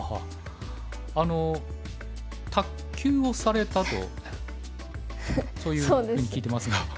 あの卓球をされたとそういうふうに聞いてますが。